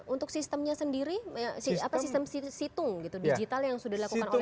untuk sistemnya sendiri sistem situng gitu digital yang sudah dilakukan oleh